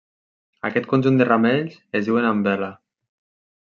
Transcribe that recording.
Aquest conjunt de ramells es diuen umbel·la.